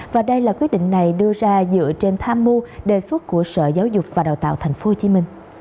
và đây là quyết định này đưa ra dựa trên tham mưu đề xuất của sở giáo dục và đào tạo tp hcm